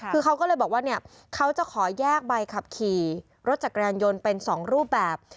คือเขาก็เลยบอกว่าเนี่ยเขาจะขอแยกใบขับขี่รถจักรยานยนต์เป็น๒รูปแบบ